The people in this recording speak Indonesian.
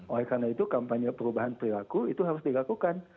oleh karena itu kampanye perubahan perilaku itu harus dilakukan